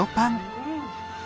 うん！